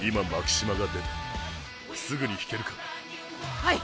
はい！